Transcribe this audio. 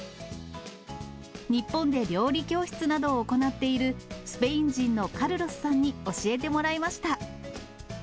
日本で料理教室などを行っている、スペイン人のカルロスさんに教えてもらいました。